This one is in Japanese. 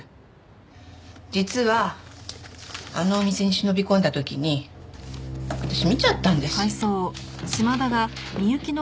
実はあのお店に忍び込んだ時に私見ちゃったんです。